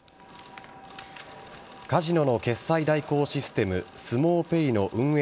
カジノの決済代行システムスモウペイの運営